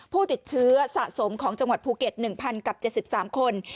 ผู้ติดเชื้อสะสมของจังหวัดภูเก็ต๑๐๐กับ๗๓คน